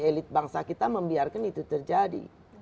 elit bangsa kita membiarkan itu terjadi